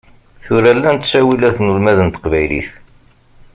Tura llan ttawilat n ulmad n teqbaylit.